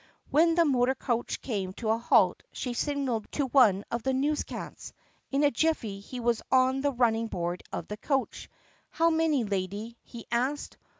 When the motor coach came to a halt she signaled to one of the newscats. In a jiffy he was on the running board of the coach. "How many, lady?" he asked.